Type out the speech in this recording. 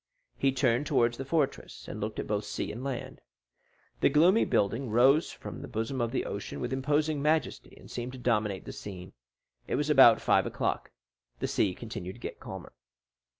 He turned towards the fortress, and looked at both sea and land. The gloomy building rose from the bosom of the ocean with imposing majesty and seemed to dominate the scene. It was about five o'clock. The sea continued to get calmer.